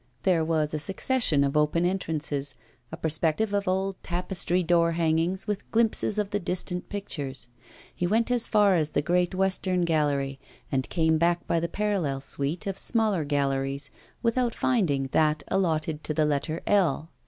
There was a succession of open entrances, a perspective of old tapestry door hangings, with glimpses of the distant pictures. He went as far as the great western gallery, and came back by the parallel suite of smaller galleries without finding that allotted to the letter L.